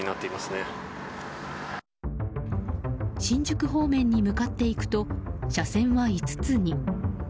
新宿方面に向かっていくと車線は５つに。